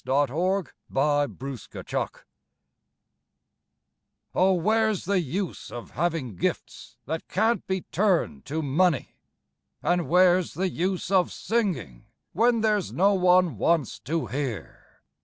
WHERE'S THE USE Oh, where's the use of having gifts that can't be turned to money? And where's the use of singing, when there's no one wants to hear?